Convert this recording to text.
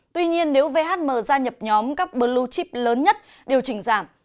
tuy nhiên nếu vhm gia nhập nhóm các blue chip lớn nhất điều chỉnh giảm